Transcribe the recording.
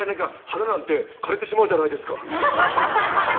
「花なんて枯れてしまうじゃないですか」